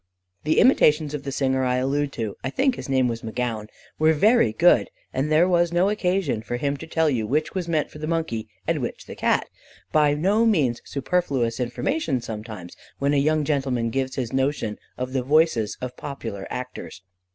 The imitations of the singer I allude to (I think his name was McGown) were very good, and there was no occasion for him to tell you which was meant for the monkey and which the Cat, by no means superfluous information sometimes, when a young gentleman gives his notion of the voices of popular actors.